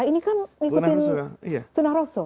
ini kan ikutin sunnah rasul